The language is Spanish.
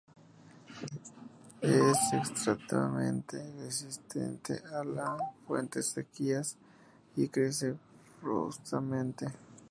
Es extremadamente resistente a la fuertes sequías y crece profusamente.